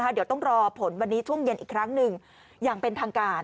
เดี๋ยวต้องรอผลวันนี้ช่วงเย็นอีกครั้งหนึ่งอย่างเป็นทางการ